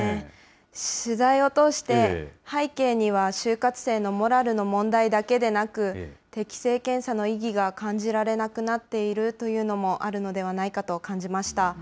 取材を通して、背景には就活生のモラルの問題だけでなく、適性検査の意義が感じられなくなっているというのもあるのではないかと感じました。